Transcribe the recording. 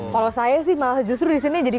kalau saya sih malah justru disini jadi